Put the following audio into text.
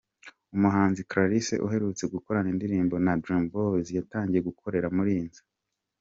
Umuhanzi Clarisse uherutse gukorana indirimbo na Dream Boys yatangiye gukorera mur'iyi nzu.